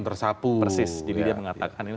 tersapu persis jadi dia mengatakan ini